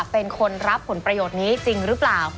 เป็นคนรับผลประโยชน์นี้จริงหรือเปล่า